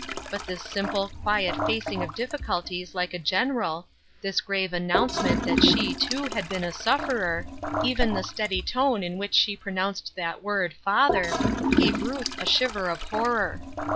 But this simple, quiet facing of difficulties like a gen eral — this grave announcement that she, too, had been a sufferer — even the steady tone in which she pronounced that word " father," gave Ruth a shiver of horror.